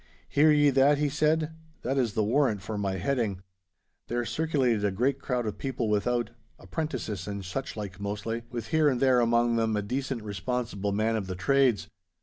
'Hear ye that?' he said. 'That is the warrant for my heading.' There circulated a great crowd of people without, apprentices and suchlike mostly, with here and there among them a decent, responsible man of the trades.